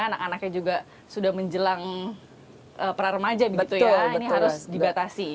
anak anaknya juga sudah menjelang prarumaja ini harus dibatasi